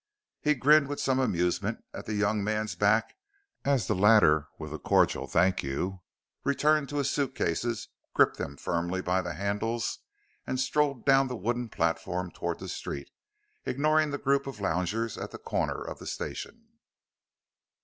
He grinned with some amusement at the young man's back as the latter with a cordial "thank you," returned to his suit cases, gripped them firmly by the handles, and strode down the wooden platform toward the street, ignoring the group of loungers at the corner of the station.